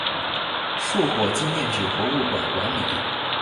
树火纪念纸博物馆管理。